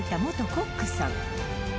コックさん